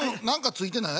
ついてない？